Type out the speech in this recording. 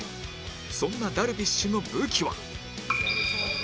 そんなダルビッシュの武器は